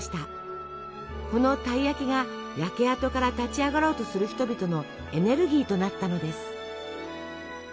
このたい焼きが焼け跡から立ち上がろうとする人々のエネルギーとなったのです。